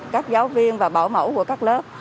các giáo viên và bảo mẫu của các lớp